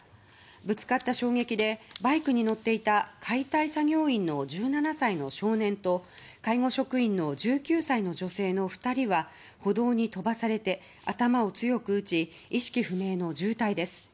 ぶつかった衝撃でバイクに乗っていた解体作業員の１７歳の少年と介護職員の１９歳の女性の２人は歩道に飛ばされて頭を強く打ち意識不明の重体です。